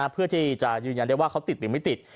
เพื่อที่จะยืนยันได้ว่าเขาติดหรือไม่ติด